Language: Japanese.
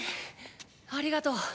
ありがとう。